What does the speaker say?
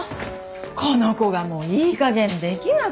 この子がもういいかげんできなくて。